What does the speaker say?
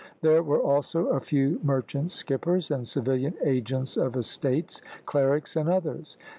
There were also a few merchant skippers, and civilian agents of estates, clerics and others.